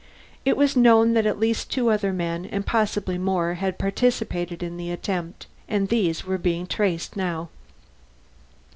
It was known that at least two other men and possibly more had participated in the attempt, and these were being traced now.